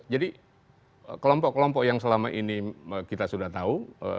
jadi kelompok kelompok yang selama ini kita sudah tahu